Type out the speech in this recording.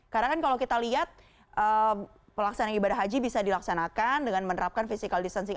karena kan kalau kita lihat pelaksanaan ibadah haji bisa dilaksanakan dengan menerapkan physical distancing